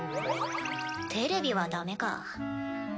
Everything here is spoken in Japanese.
テレビはだめか。